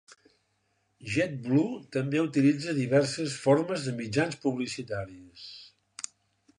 JetBlue també utilitza diverses formes de mitjans publicitaris.